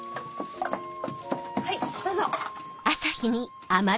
はいどうぞ。